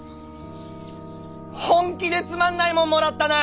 本気でつまんないもんもらったなァ！